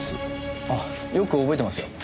あっよく覚えてますよ。